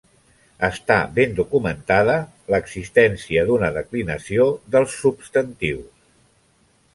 Està ben documentada l'existència d'una declinació dels substantius.